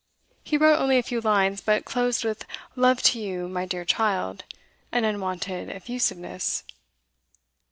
He wrote only a few lines, but closed with 'love to you, my dear child,' an unwonted effusiveness.